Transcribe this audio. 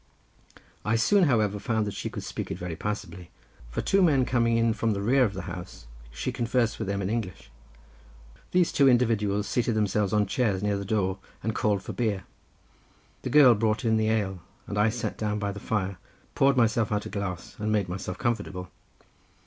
I soon, however, found that she could speak it very passably, for two men coming in from the rear of the house she conversed with them in English. These two individuals seated themselves on chairs near the door, and called for beer. The girl brought in the ale, and I sat down by the fire, poured myself out a glass, and made myself comfortable.